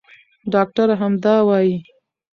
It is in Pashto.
ډاکټره همدا وايي.